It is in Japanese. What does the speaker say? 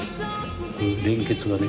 連結がね